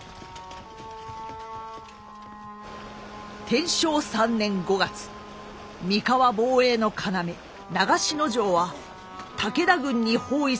天正３年５月三河防衛の要長篠城は武田軍に包囲され落城寸前でございました。